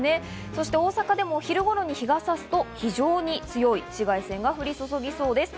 そして大阪でも昼頃に日が差すと非常に強い紫外線が降り注ぎそうです。